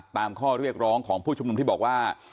ข้อเรียกร้องของผู้ชุมนุมที่บอกว่า